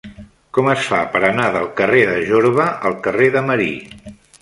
Com es fa per anar del carrer de Jorba al carrer de Marí?